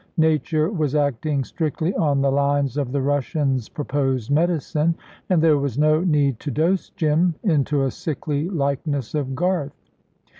Nature was acting strictly on the lines of the Russian's proposed medicine, and there was no need to dose Jim into a sickly likeness of Garth.